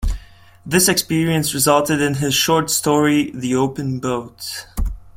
This experience resulted in his short story "The Open Boat".